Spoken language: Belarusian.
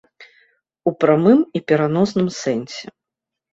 У прамым і пераносным сэнсе.